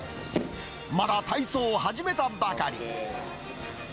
まだ体操を始めたばかり。